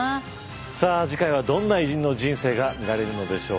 さあ次回はどんな偉人の人生が見られるのでしょうか。